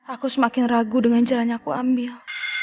aku semakin ragu dengan jalannya aku ambil